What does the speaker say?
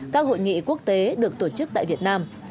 các hội nghị quốc tế được tổ chức tại việt nam